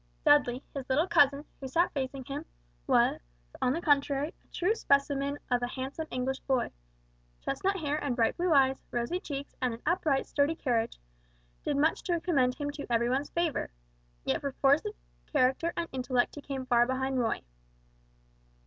Dudley, his little cousin, who sat facing him, on the contrary, was a true specimen of a handsome English boy. Chestnut hair and bright blue eyes, rosy cheeks, and an upright sturdy carriage, did much to commend him to every one's favor: yet for force of character and intellect he came far behind Roy.